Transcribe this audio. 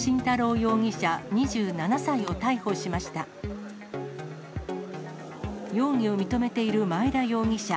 容疑を認めている前田容疑者。